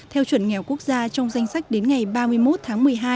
theo chuẩn nghèo quốc gia trong danh sách đến ngày ba mươi một tháng một mươi hai